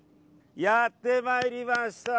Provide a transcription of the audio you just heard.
やってまいりました。